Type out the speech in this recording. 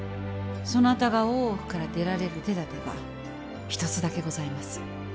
そなたが大奥から出られる手だてが一つだけございます。